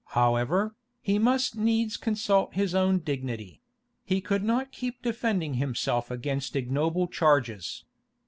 However, he must needs consult his own dignity; he could not keep defending himself against ignoble charges.